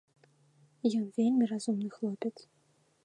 Ён вельмі разумны хлопец.